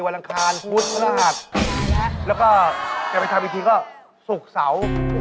วันลังคาญฟุตภาษาหัสแล้วก็จะไปทำอีกทีก็สุขเสา